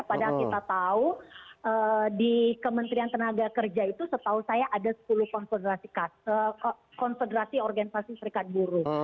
padahal kita tahu di kementerian tenaga kerja itu setahu saya ada sepuluh konsentrasi organisasi serikat buruh